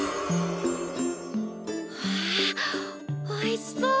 うわおいしそう！